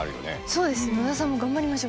そうです。